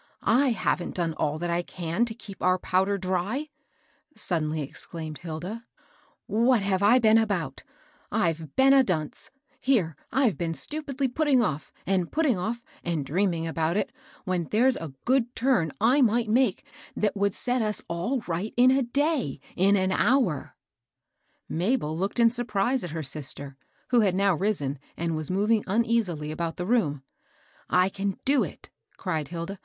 "/ haven't done all I can to keep our powder . dry !" suddenly exclaimed Hilda. " What have I been about ? I've been a dunce ! Here I've been stupidly putting off, and putting off, and dreaming about it, when there's a good turn I might make 238 MABEL BOSS. that would set us all right in a day, — in aa hour I" Mabel looked in surprise at her sister, who had now risen, and was moving uneasily about the room. " I can do it I " cried Hilda.